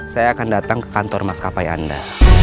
saya akan datang ke kantor mas kapai anda